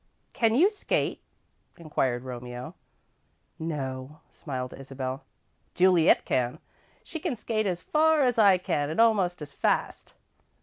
"Can you skate?" inquired Romeo. "No," smiled Isabel. "Juliet can. She can skate as far as I can, and almost as fast."